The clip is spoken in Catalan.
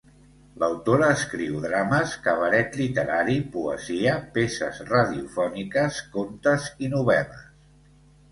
L'autora escriu drames, cabaret literari, poesia, peces radiofòniques, contes i novel·les.